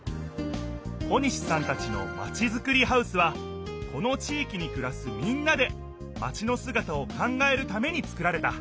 小西さんたちのまちづくりハウスはこの地いきにくらすみんなでマチのすがたを考えるためにつくられた。